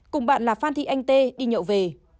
cùng bạn là phan thị anh tê đi nhậu về